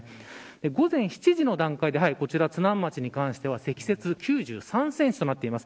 午前７時の段階でこちら津南町に関しては積雪９３センチとなっています。